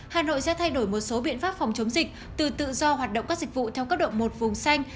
hà nội sẽ thay đổi một số biện pháp phòng chống dịch từ tự do hoạt động các dịch vụ theo cấp độ một vùng xanh